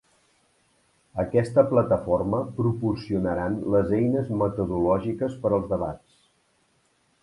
Aquesta plataforma proporcionaran les eines metodològiques per als debats.